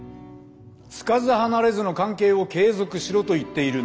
つかず離れずの関係を継続しろと言っているんです。